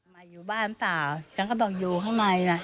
มาอยู่บ้านเปล่าฉันก็บอกอยู่ข้างในน่ะ